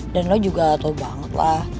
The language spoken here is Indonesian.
dan lo juga tau banget lah